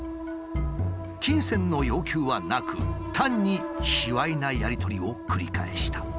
金銭の要求はなく単に卑猥なやり取りを繰り返した。